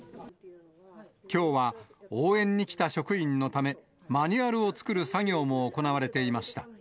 きょうは応援に来た職員のため、マニュアルを作る作業も行われていました。